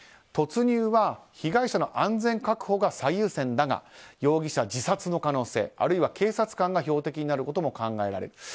突入は被害者の安全確保が最優先だが容疑者自殺の可能性、あるいは警察官が標的になることも考えられる。